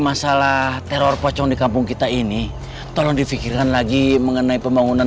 masalah teror pocong di kampung kita ini tolong difikirkan lagi mengenai pembangunan